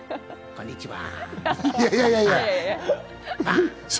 こんにちは。